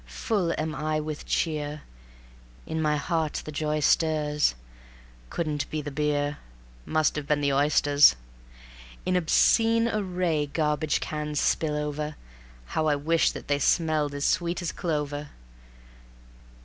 Full am I with cheer; In my heart the joy stirs; Couldn't be the beer, Must have been the oysters. In obscene array Garbage cans spill over; How I wish that they Smelled as sweet as clover!